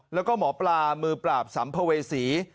แล้วก็หมอปลามือปราบสัมภเวษี